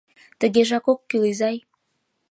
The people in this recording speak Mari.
— Тыгежак ок кӱл, изай...